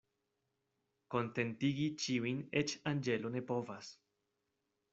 Kontentigi ĉiujn eĉ anĝelo ne povas.